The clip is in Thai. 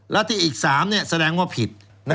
แล้วที่อีก๓แสดงว่าผิด